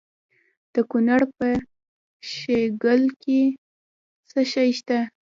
د کونړ په شیګل کې څه شی شته؟